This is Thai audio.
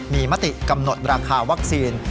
มีมติกำหนดราคาวัคซีน